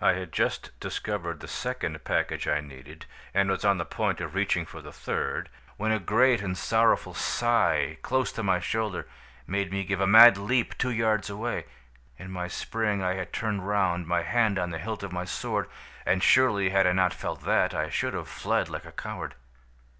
I had just discovered the second package I needed, and was on the point of reaching for the third, when a great and sorrowful sigh, close to my shoulder, made me give a mad leap two yards away. In my spring I had turned round, my hand on the hilt of my sword, and surely had I not felt that, I should have fled like a coward.